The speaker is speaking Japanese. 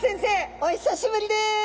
お久しぶりです！